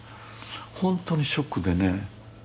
本当にショックでね。